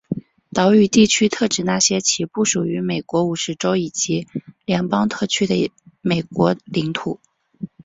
岛屿地区特指那些其不属于美国五十州以及联邦特区的美国领土。